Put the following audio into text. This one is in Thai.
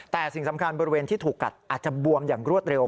แต่สิ่งสำคัญบริเวณที่ถูกกัดอาจจะบวมอย่างรวดเร็ว